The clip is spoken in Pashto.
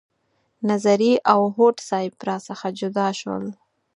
نظري او هوډ صیب را څخه جدا شول.